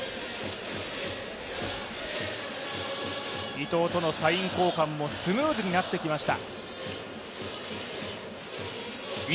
伊藤とのサイン交換もスムーズになってきました。